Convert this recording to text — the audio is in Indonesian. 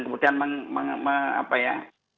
kemudian mengapa ya